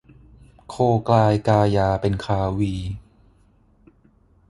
โคกลายกายาเป็นคาวี